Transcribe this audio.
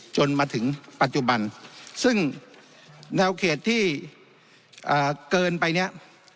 จนมาถึงปัจจุบันซึ่งแนวเขตที่เกินไปเนี่ย